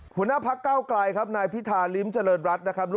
หัวหน้าพักเก้าไกลครับนายพิธาริมเจริญรัฐนะครับ